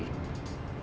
tugas seorang suami